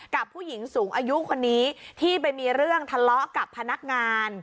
กับผู้หญิงสูงอายุคนนี้ที่ไปมีเรื่องทะเลาะกับพนักงาน